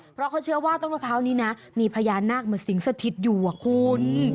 เพราะเขาเชื่อว่าต้นมะพร้าวนี้นะมีพญานาคมาสิงสถิตอยู่อ่ะคุณ